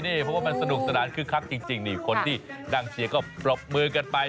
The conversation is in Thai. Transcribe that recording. เพราะว่ามันสนุกตระดานคือครักจริงคนที่ดั่งเชียก็ปรบมือกันไป